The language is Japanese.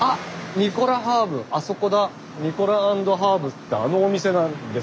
ニコラ＆ハーブってあのお店なんですよ。